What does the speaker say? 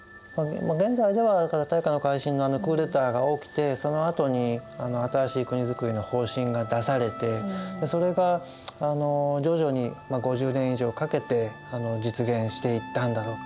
現在では大化の改新のあのクーデターが起きてそのあとに新しい国づくりの方針が出されてそれが徐々に５０年以上かけて実現していったんだろう。